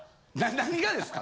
何がですか？